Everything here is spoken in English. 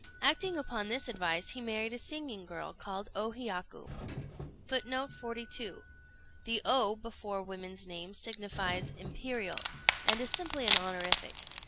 Acting upon this advice, he married a singing girl, called O Hiyaku. [Footnote 42: The O before women's names signifies "Imperial," and is simply an honorific.